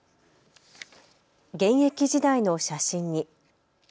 現役時代の写真に。